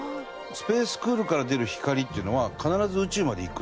ＳＰＡＣＥＣＯＯＬから出る光っていうのは必ず宇宙まで行く？